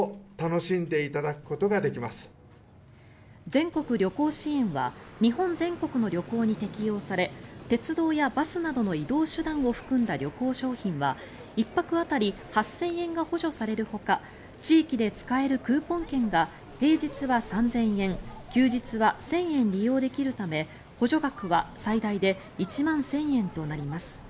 全国旅行支援は日本全国の旅行に適用され鉄道やバスなどの移動手段を含んだ旅行商品は１泊当たり８０００円が補助されるほか地域で使えるクーポン券が平日は３０００円休日は１０００円利用できるため補助額は最大で１万１０００円となります。